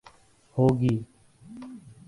ہو گی